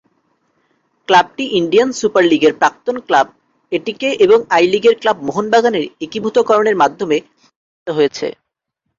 ক্লাবটি Indian super লীগের প্রাক্তন ক্লাব এটিকে এবং আই-লিগের ক্লাব মোহনবাগানের একীভূতকরণের মাধ্যমে প্রতিষ্ঠিত হয়েছে।